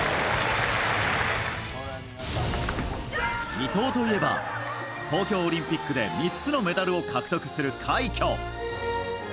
伊藤といえば東京オリンピックで３つのメダルを獲得する快挙。